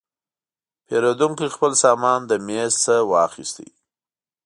پیرودونکی خپل سامان له میز نه واخیست.